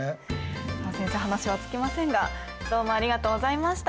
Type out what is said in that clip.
まあ先生話は尽きませんがどうもありがとうございました。